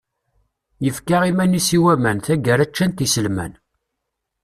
Yefka iman-is i waman, taggara ččan-t yiselman.